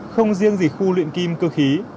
không riêng gì khu luyện kim cơ khí